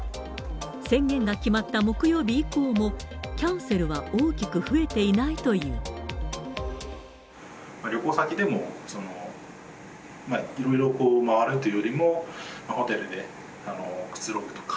宣言が決まった木曜日以降も、キャンセルは大きく増えていない旅行先でも、いろいろ回るというよりも、ホテルでくつろぐとか。